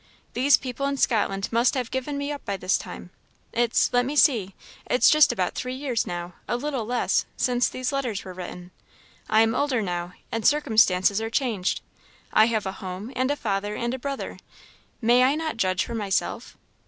These people in Scotland must have given me up by this time; it's let me see it's just about three years now a little less since these letters were written. I am older now, and circumstances are changed; I have a home, and a father, and a brother; may I not judge for myself?